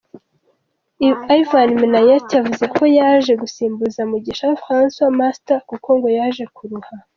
Ivan Minaert yavuze ko yaje gusimbuza Mugisha Francois Master kuko ngo yaje kuruha